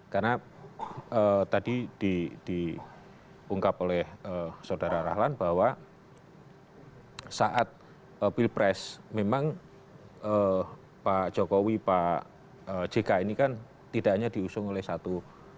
karena tadi diungkap oleh saudara rahlan bahwa saat pilpres memang pak jokowi pak jk ini kan tidak hanya diusung oleh satu